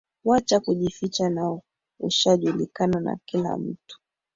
Wacha kujificha na ushajulikana na kila mtu